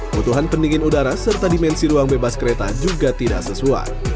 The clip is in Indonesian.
butuhan pendingin udara serta dimensi ruang bebas kereta juga tidak sesuai